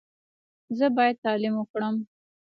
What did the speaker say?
زه باید تعلیم وکړم.